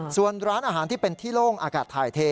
ส่วนร้านอาหารที่เป็นที่โล่งอากาศถ่ายเท